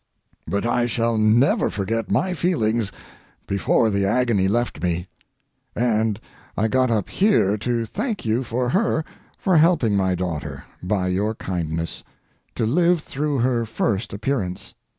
But I shall never forget my feelings before the agony left me, and I got up here to thank you for her for helping my daughter, by your kindness, to live through her first appearance.